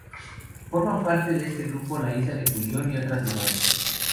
Forman parte de este grupo la isla de Culión y otras menores.